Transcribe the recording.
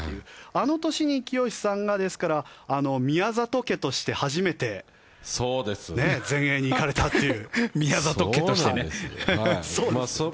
あの年に聖志さんが宮里家として初めて全英に行かれたという。